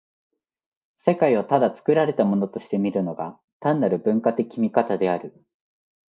世界をただ作られたものとして見るのが、単なる文化的見方である。